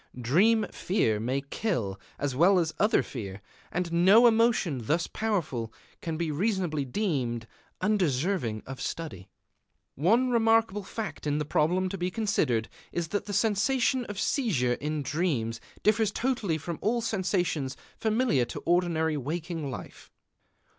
Dream fear may kill as well as other fear; and no emotion thus powerful can be reasonably deemed undeserving of study. One remarkable fact in the problem to be considered is that the sensation of seizure in dreams differs totally from all sensations familiar to ordinary waking life.